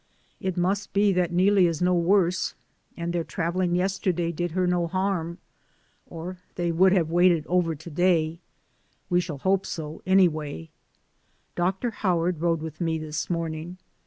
It must be that Neelie is no worse, and their travel ing yesterday did her no harm, or they would have waited over to day; we shall hope so anyway. Dr. Howard rode with me this morning.